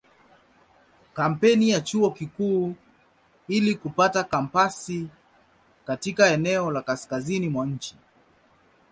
Kampeni ya Chuo Kikuu ili kupata kampasi katika eneo la kaskazini mwa nchi.